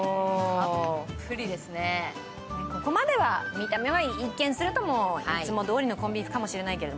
ここまでは、見た目は一見するといつもどおりのコンビーフかもしれないけど。